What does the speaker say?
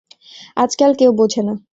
আজকাল কেউ বোঝে না।